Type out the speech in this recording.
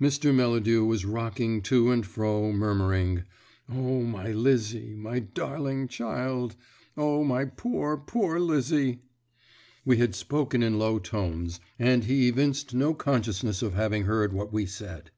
Mr. Melladew was rocking to and fro murmuring, "O, my Lizzie, my darling child! O, my poor, poor Lizzie!" We had spoken in low tones, and he evinced no consciousness of having heard what we said.